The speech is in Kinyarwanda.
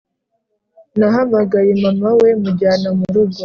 nahamagaye mama we mujyana murugo